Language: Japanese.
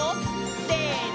せの！